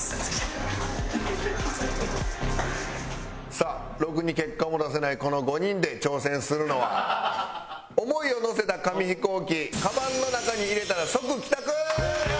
さあろくに結果も出せないこの５人で挑戦するのは思いを乗せた紙飛行機カバンの中に入れたら即帰宅！